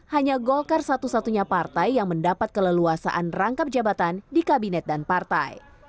hanya golkar satu satunya partai yang mendapat keleluasaan rangkap jabatan di kabinet dan partai